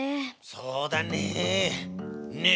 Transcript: そうだねえ。